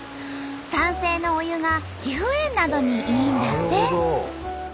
酸性のお湯が皮膚炎などにいいんだって。